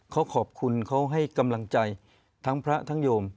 เขาขอบคุณเขาให้กำลังใจทั้งพระทั้งโยม